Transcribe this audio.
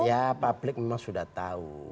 ya publik memang sudah tahu